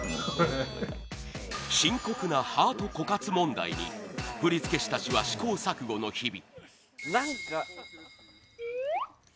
深刻なハート枯渇問題に振付師たちは試行錯誤の日々タイガ：何か。